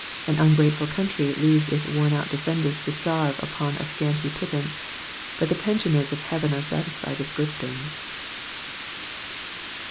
An ungrateful country leaves its worn out defenders to starve upon a scanty pittance, but the pensioners of heaven are satisfied with good things.